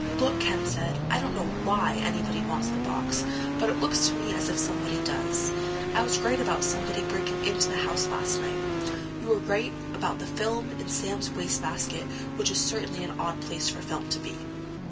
"Look," Ken said, "I don't know why anybody wants the box. But it looks to me as if somebody does. I was right about somebody breaking into the house last night. You were right about the film in Sam's wastebasket, which is certainly an odd place for film to be."